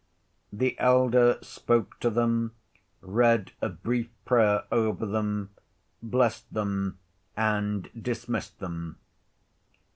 The elder spoke to them, read a brief prayer over them, blessed them, and dismissed them.